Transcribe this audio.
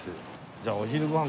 じゃあお昼ご飯